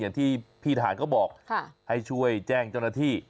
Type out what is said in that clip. อย่างที่พี่ทหารเขาบอกให้ช่วยแจ้งเจ้าหน้าที่